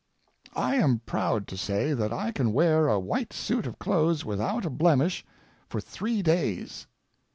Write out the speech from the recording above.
I am proud to say that I can wear a white suit of clothes without a blemish for three days.